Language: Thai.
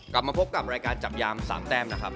กลับมาพบกับรายการจับยาม๓แต้มนะครับ